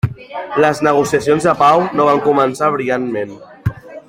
Les negociacions de pau no van començar brillantment.